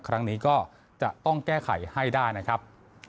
ครั้งนี้ก็จะต้องแก้ไขให้ได้นะครับ